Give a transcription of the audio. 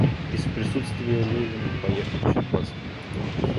Из присутствия Левин поехал к Щербацким.